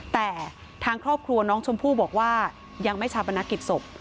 แต่ทางครอบครัวน้องชมพู่บอกว่ายังไม่ชาปนกิจศพ